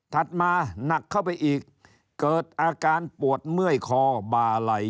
มาหนักเข้าไปอีกเกิดอาการปวดเมื่อยคอบาไหล่